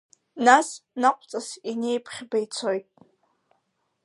Нас наҟәҵас инеиԥхьба ицоит.